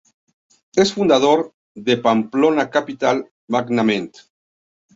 Es fundador de Pamplona Capital Management.